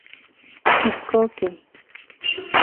Tsikokej